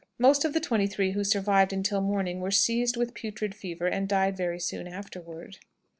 Most of the twenty three who survived until morning were seized with putrid fever and died very soon afterward.